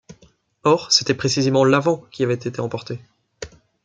Or, c’était précisément l’avant qui avait été emporté.